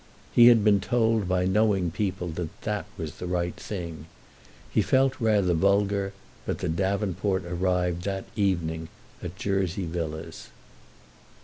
He had been told by knowing people that that was the right thing. He felt rather vulgar, but the davenport arrived that evening at Jersey Villas.